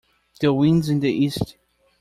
The wind's in the east.